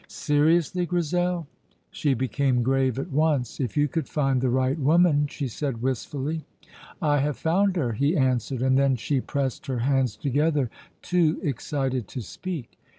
"Seriously, Grizel?" She became grave at once. "If you could find the right woman," she said wistfully. "I have found her," he answered; and then she pressed her hands together, too excited to speak.